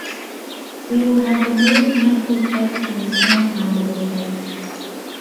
We will have the North-Mandible cape and the South-Mandible cape.